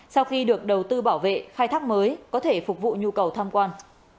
sau khi được đầu tư bảo vệ khai thác mới có thể phục vụ nhu cầu tham quan